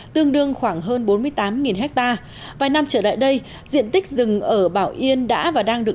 tương đương khoảng hơn bốn mươi tám ha vài năm trở lại đây diện tích rừng ở bảo yên đã và đang được